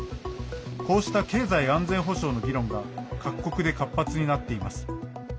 こうした経済安全保障の議論が各国で活発になっています。